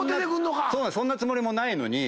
そんなつもりもないのに。